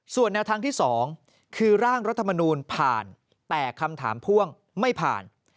ส่วนแนวทางที่๒คือร่างรัฐมนูลผ่านแต่คำถามพ่วงไม่ผ่าน